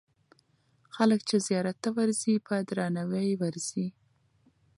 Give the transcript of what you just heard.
خلک چې زیارت ته ورځي، په درناوي ورځي.